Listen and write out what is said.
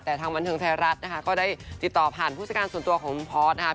แต่ทางบันเทิงไทยรัฐนะคะก็ได้ติดต่อผ่านผู้จัดการส่วนตัวของคุณพอร์ตนะคะ